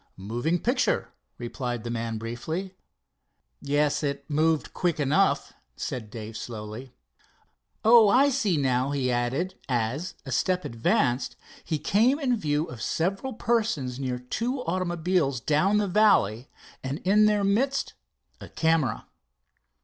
"Moving picture," replied the man briefly. "Yes, it moved quick enough," said Dave slowly. "Oh, I see now," he added, as, a step advanced, he came in view of several persons near two automobiles down the valley, and in their midst a camera.